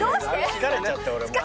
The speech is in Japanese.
疲れちゃって俺。